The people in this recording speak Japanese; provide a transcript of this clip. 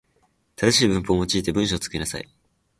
正しい文法を用いて文章を作りなさい。